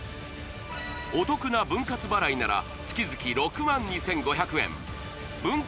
お得な分割払いなら月々６万２５００円分割